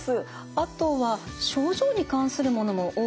あとは症状に関するものも多いですかね。